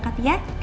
aku berangkat ya